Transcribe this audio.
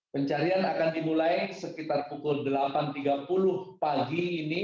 pencarian akan dimulai sekitar pukul delapan tiga puluh pagi ini